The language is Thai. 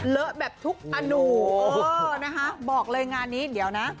เลอะแบบทุกอนูเออนะคะบอกเลยงานนี้เดี๋ยวนะ